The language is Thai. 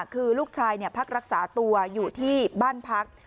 คือลูกชายพักรักษาตัวอยู่ที่บ้านพัก